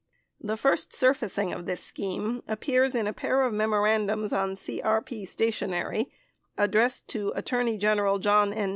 The first surfacing of this scheme appears in a pair of memorandums on CRP stationery addressed to Attorney General J ohn N.